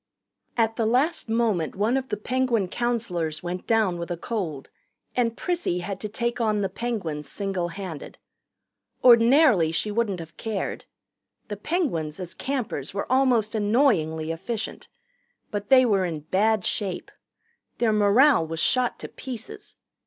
At the last moment one of the Penguin counselors went down with a cold, and Prissy had to take on the Penguins single handed. Ordinarily she wouldn't have cared. The Penguins, as campers, were almost annoyingly efficient. But they were in bad shape. Their morale was shot to pieces.